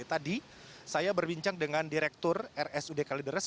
jadi tadi saya berbincang dengan direktur rsud kalidres